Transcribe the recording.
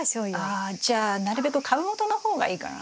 あじゃあなるべく株元の方がいいかな。